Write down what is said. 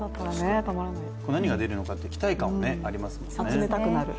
何が出るのかという期待感もありますよね。